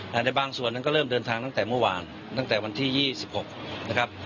แต่ในบางส่วนนั้นก็เริ่มเดินทางตั้งแต่เมื่อวานตั้งแต่วันที่๒๖นะครับ